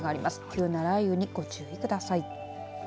急な雷雨にご注意ください。